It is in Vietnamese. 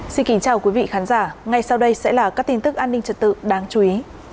xin kính chào quý vị khán giả ngay sau đây sẽ là các tin tức an ninh trật tự đáng chú ý